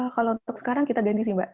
kalau untuk sekarang kita ganti sih mbak